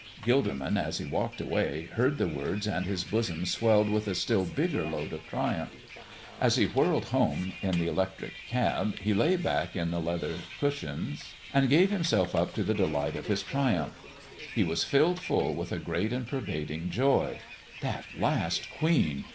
Gilderman, as he walked away, heard the words and his bosom swelled with a still bigger load of triumph. As he whirled home in the electric cab he lay back in the leather cushions and gave himself up to the delight of his triumph. He was filled full with a great and pervading joy. That last queen!